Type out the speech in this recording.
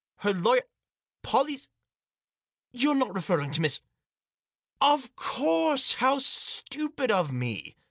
"Her lawyer? — Pollie's ? You're not referring to Miss ? Of course, how stupid of me